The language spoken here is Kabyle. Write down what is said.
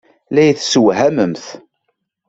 La iyi-tessewhamemt.